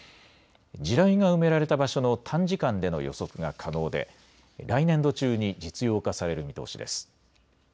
地雷が埋められた場所の短時間での予測が可能で来年度中に実用化される見通しです。